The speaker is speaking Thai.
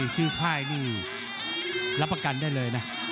ชื่อค่ายนี่รับประกันได้เลยนะ